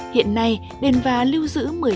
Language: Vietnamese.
hiện nay đền và lưu giữ